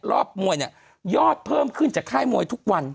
มวยเนี่ยยอดเพิ่มขึ้นจากค่ายมวยทุกวัน